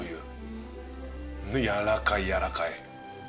やわらかいやわらかい。